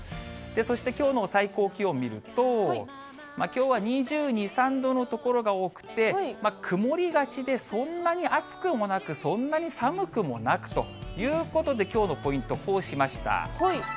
そしてきょうの最高気温見ると、きょうは２２、３度の所が多くて、曇りがちでそんなに暑くもなく、そんなに寒くもなくということで、きょうのポイント、こうしました。